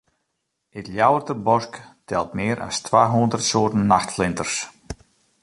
It Ljouwerter Bosk telt mear as twa hûndert soarten nachtflinters.